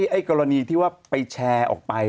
ไอ้กรณีที่ว่าไปแชร์ออกไป